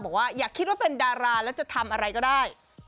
อย่าคิดว่าเป็นดาราแล้วจะทำอะไรก็ได้